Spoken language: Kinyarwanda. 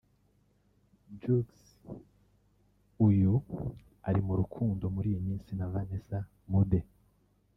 Jux (uyu ari mu rukundo muri iyi minsi na Vanessa Mdee)